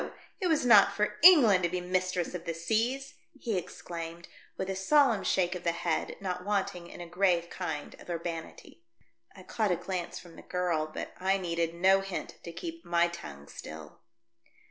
It was not for England to be mistress of the seas!" he exclaimed, with a solemn shake of the head, not wanting in a grave kind of urbanity. I caught a glance from the girl, but I needed no hint to keep my tongue still.